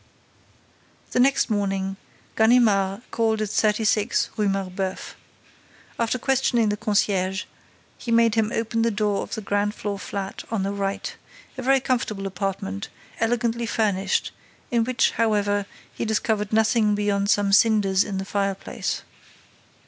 The next morning, Ganimard called at 36, Rue Marbeuf. After questioning the concierge, he made him open the door of the ground floor flat on the right, a very comfortable apartment, elegantly furnished, in which, however, he discovered nothing beyond some cinders in the fireplace.